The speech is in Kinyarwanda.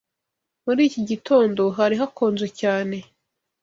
Muri iki gitondo hari hakonje cyane.